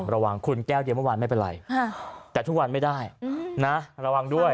ระวังคุณแก้วเดียวเมื่อวานไม่เป็นไรแต่ทุกวันไม่ได้นะระวังด้วย